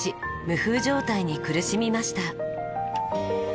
無風状態に苦しみました。